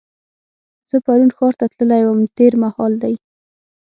زه پرون ښار ته تللې وم تېر مهال دی.